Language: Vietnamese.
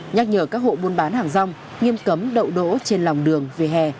nhắc nhở các hộ buôn bán hàng rong nghiêm cấm đậu đỗ trên lòng đường về hè